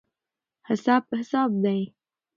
حساب حساب دی.